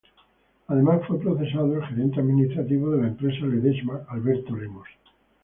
Además fue procesado el gerente administrativo de la empresa Ledesma, Alberto Lemos.